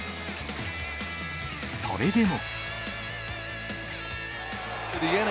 それでも。